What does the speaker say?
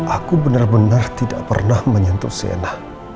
aku benar benar tidak pernah menyentuh zena